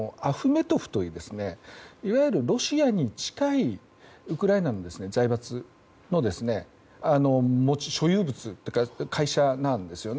ここは、いわゆるロシアに近いウクライナの財閥の所有物というか会社なんです。